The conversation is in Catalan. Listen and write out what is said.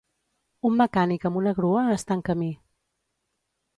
Un mecànic amb una grua està en camí.